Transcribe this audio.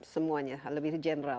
semuanya lebih general